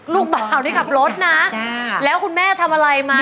ลูกบ่าวที่ขับรถนะแล้วคุณแม่ทำอะไรมา